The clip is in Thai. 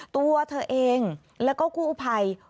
ตัวเธอเองแล้วก็กู้ภัย